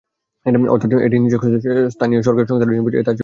অর্থাৎ এটি নিছক স্থানীয় সরকার সংস্থার নির্বাচন নয়, তার চেয়েও কিছু বেশি।